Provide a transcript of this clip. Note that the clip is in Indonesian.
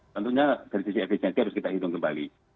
tentunya dari sisi efisiensi harus kita hitung kembali